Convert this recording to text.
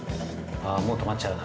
◆あー、もう止まっちゃうな。